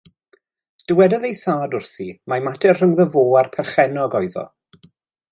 Dywedodd ei thad wrthi mai mater rhyngddo fo a'r perchennog oedd o.